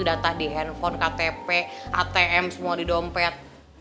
data di handphone ktp atm semua di dompet